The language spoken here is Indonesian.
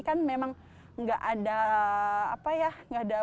kan memang enggak ada apa ya enggak ada ya